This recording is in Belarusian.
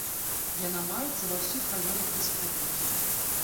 Яна маецца ва ўсіх раёнах рэспублікі.